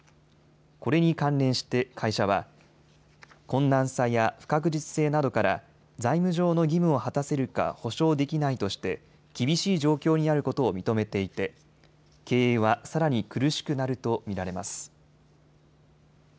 これに関連して会社は、困難さや不確実性などから財務上の義務を果たせるか保証できないとして厳しい状況にあることを認めていて経営はさらに苦しくなると見られます。